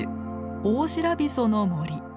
オオシラビソの森。